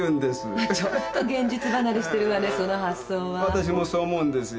わたしもそう思うんですよ。